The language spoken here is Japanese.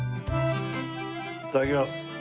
いただきます。